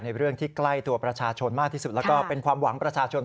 เรื่องที่ใกล้ตัวประชาชนมากที่สุดแล้วก็เป็นความหวังประชาชน